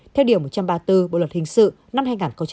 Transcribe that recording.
theo điều một trăm ba mươi bốn bộ luật hình sự năm hai nghìn một mươi năm